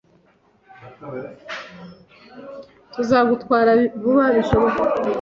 Tuzagutwara vuba bishoboka